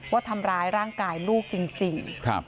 ว่าทำร้ายร่างกายลูกจริง